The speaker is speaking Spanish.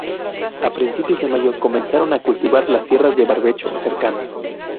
A principios de mayo, comenzaron a cultivar las tierras de barbecho cercanas.